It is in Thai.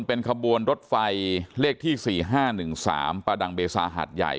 เป็นขบวนรถไฟเลขที่๔๕๑๓ประดังเบซาหาดใหญ่